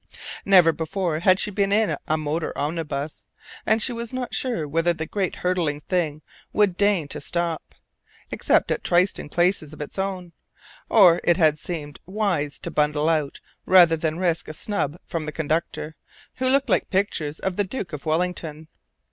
Never before had she been in a motor omnibus, and she was not sure whether the great hurtling thing would deign to stop, except at trysting places of its own; so it had seemed wise to bundle out rather than risk a snub from the conductor, who looked like pictures of the Duke of Wellington.